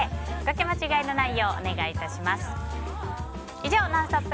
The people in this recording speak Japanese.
以上ＮＯＮＳＴＯＰ！